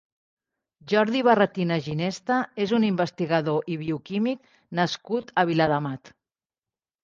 Jordi Barretina Ginesta és un investigador i bioquímic nascut a Viladamat.